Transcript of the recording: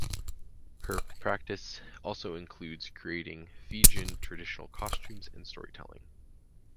Her practice also includes creating Fijian traditional costumes and storytelling.